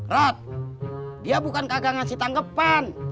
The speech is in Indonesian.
rot dia bukan kagak ngasih tanggepan